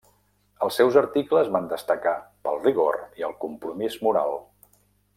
Els seus articles van destacar pel rigor i el compromís moral.